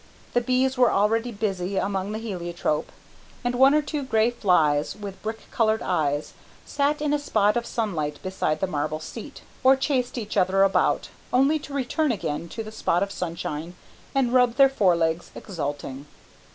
The bees were already busy among the heliotrope, and one or two grey flies with brick coloured eyes sat in a spot of sunlight beside the marble seat, or chased each other about, only to return again to the spot of sunshine and rub their fore legs, exulting.